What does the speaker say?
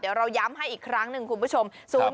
เดี๋ยวเราย้ำให้อีกครั้งหนึ่งคุณผู้ชม